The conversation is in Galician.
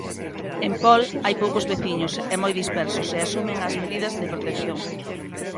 En Pol hai poucos veciños e moi dispersos e asumen as medidas de protección.